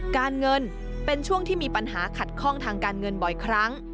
การเงินเป็นช่วงที่มีปัญหาขัดข้องทางการเงินบ่อยครั้ง